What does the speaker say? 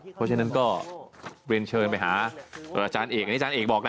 เพราะฉะนั้นก็เรียนเชิญไปหาอาจารย์เอกอันนี้อาจารย์เอกบอกนะ